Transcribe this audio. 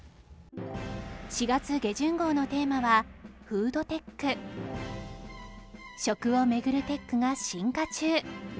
４月下旬号のテーマは食を巡るテックが進化中